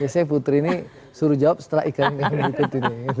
biasanya putri ini suruh jawab setelah ikan ikan berikut ini